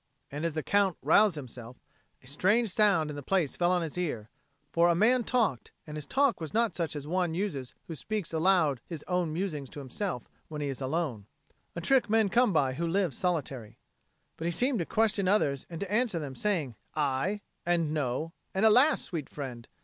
And as the Count roused himself, a sound strange in the place fell on his ear; for a man talked, and his talk was not such as one uses who speaks aloud his own musings to himself when he is alone (a trick men come by who live solitary), but he seemed to question others and to answer them, saying, "Aye," and "No," and "Alas, sweet friend!"